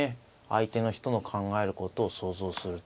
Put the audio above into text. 相手の人の考えることを想像すると。